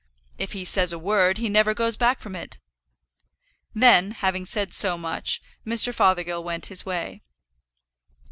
If he says a word, he never goes back from it." Then, having said so much, Mr. Fothergill went his way.